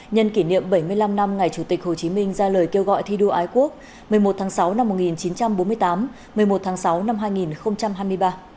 nhân kỷ niệm bảy mươi năm năm ngày chủ tịch hồ chí minh ra lời kêu gọi thi đua ái quốc một mươi một tháng sáu năm một nghìn chín trăm bốn mươi tám một mươi một tháng sáu năm hai nghìn hai mươi ba